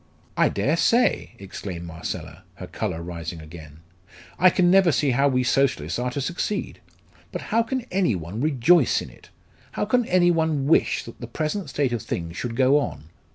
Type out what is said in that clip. "I dare say," exclaimed Marcella, her colour rising again. "I never can see how we Socialists are to succeed. But how can any one rejoice in it? How can any one wish that the present state of things should go on?